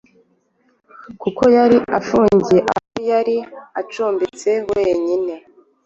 kuko yari afungiye aho yari acumbitse wenyine